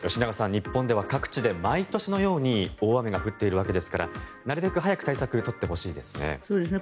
日本では各地で毎年のように大雨が降っているわけですからなるべく早く対策を取ってほしいですね。